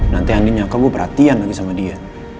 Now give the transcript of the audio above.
nanti andi nyaka gue perhatian lagi sama dia